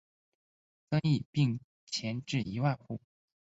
增邑并前至一万户。